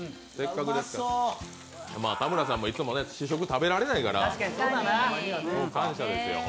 田村さんもいつも試食食べられないから。